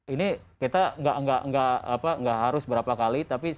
ini kita nggak harus berapa kali